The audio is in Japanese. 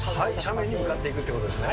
斜面に向かっていくということですね。